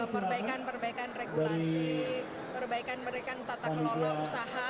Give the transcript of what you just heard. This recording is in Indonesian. perbaikan perbaikan regulasi perbaikan perbaikan tata kelola usaha